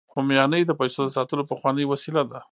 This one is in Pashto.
همیانۍ د پیسو د ساتلو پخوانۍ وسیله ده